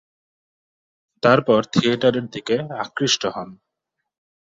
তারপর থিয়েটারের দিকে আকৃষ্ট হন।